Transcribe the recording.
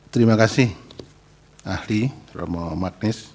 terima kasih ahli romo magnis